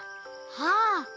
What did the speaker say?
ああ！